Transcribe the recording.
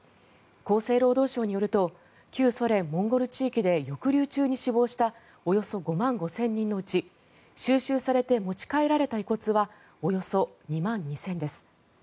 厚生労働省によると旧ソ連モンゴル地域で抑留中に死亡したおよそ５万５０００人のうち収集されて持ち帰られた遺骨はおよそ２万２０００です。